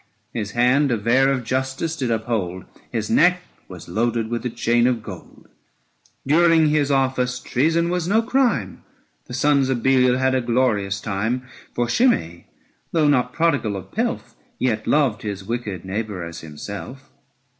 His hand a vare of justice did uphold, 595 His neck was loaded with a chain of gold. During his office treason was no crime, The sons of Belial had a glorious time; For Shimei, though not prodigal of pelt", Yet loved his wicked neighbour as himself.